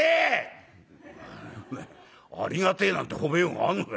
「『ありがてえ』なんて褒めようがあんのか？」。